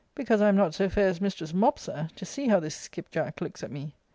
because I am not so fair as mistress Mopsa, to see how this skip jack looks at me